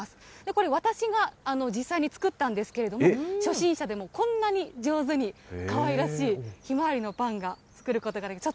これ、私が実際に作ったんですけれども、初心者でもこんなに上手にかわいらしいヒマワリのパンが作ることができます。